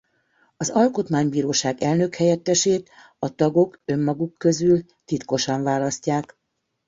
Az Alkotmánybíróság elnökhelyettesét a tagok önmaguk közül titkosan választják.